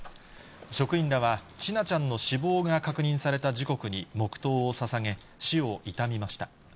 職員らは千奈ちゃんの死亡が確認された時刻に黙とうをささげ、死を悼みました。